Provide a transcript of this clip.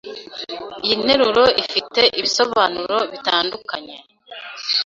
Iyi nteruro ifite ibisobanuro bitandukanye.